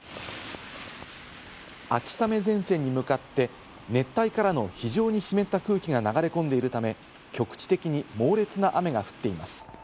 秋雨前線に向かって熱帯からの非常に湿った空気が流れ込んでいるため、局地的に猛烈な雨が降っています。